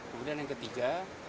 kemudian yang ketiga